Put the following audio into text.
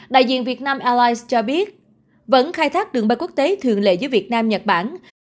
đại diện việt nam airlines cho biết vẫn khai thác đường bay quốc tế thường lệ giữa việt nam nhật bản